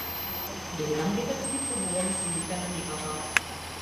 Гледам дека си ги пробуваме силите на нивата?